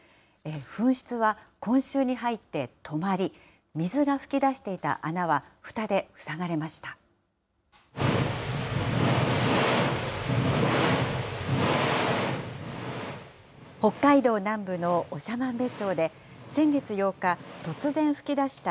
噴出は今週に入って止まり、水が噴き出していた穴は、ふたで塞がれました。